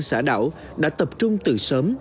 xã đảo đã tập trung từ sớm